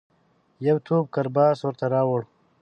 یو توپ کرباس ورته راووړ.